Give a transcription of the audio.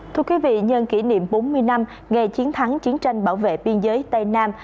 thưa quý vị nhân kỷ niệm bốn mươi năm ngày chiến thắng chiến tranh bảo vệ biên giới tây nam